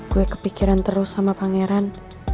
gue kepikiran terus sama pangeran